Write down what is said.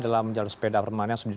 dalam jalur sepeda permanen